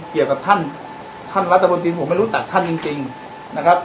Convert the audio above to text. เกี่ยวกับท่านท่านรัฐบนตรีผมไม่รู้จักท่านจริงนะครับ